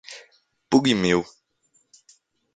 Pugmil